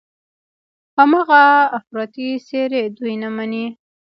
هماغه افراطي څېرې دوی نه مني.